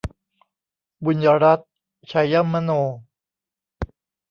บุญรัตน์ ไชยมโน